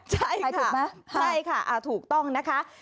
ใช่ค่ะถูกต้องนะคะ